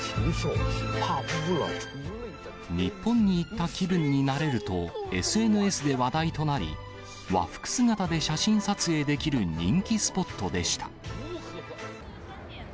日本に行った気分になれると、ＳＮＳで話題となり、和服姿で写真撮影できる人気スポットでした。